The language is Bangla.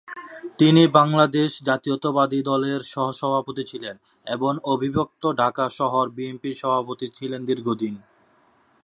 তিনি বাংলাদেশ জাতীয়তাবাদী দলের সহ-সভাপতি ছিলেন এবং অবিভক্ত ঢাকার শহর বিএনপির সভাপতি ছিলেন দীর্ঘদিন।